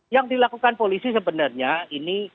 yang dilakukan polisi sebenarnya ini